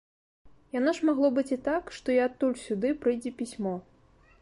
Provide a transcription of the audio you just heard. Яно ж магло быць і так, што і адтуль сюды прыйдзе пісьмо.